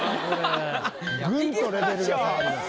グンとレベルが下がります。